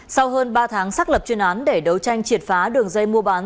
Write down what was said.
sau hơn ba tháng xác lập chuyên án để đấu tranh triệt phá đường dây mua bán